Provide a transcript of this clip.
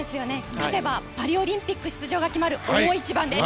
勝てばパリオリンピック出場が決まる大一番です。